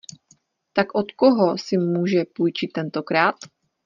Tak od koho si může půjčit tentokrát?